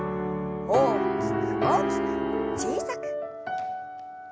大きく大きく小さく。